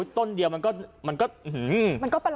ต้นเดียวมันก็